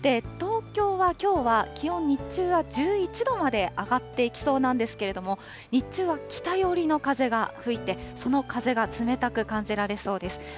東京はきょうは気温、日中は１１度まで上がっていきそうなんですけれども、日中は北寄りの風が吹いて、その風が冷たく感じられそうです。